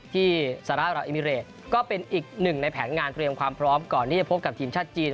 ที่สหรัฐอิมิเรตก็เป็นอีกหนึ่งในแผนงานเตรียมความพร้อมก่อนที่จะพบกับทีมชาติจีน